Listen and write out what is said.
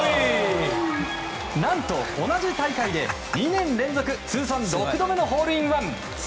何と、同じ大会で２年連続通算６度目のホールインワン。